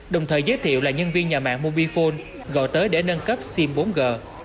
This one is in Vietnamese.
đồng thời giới thiệu là nhân viên nhà mạng mobifone gọi tới để nâng cấp sim bốn g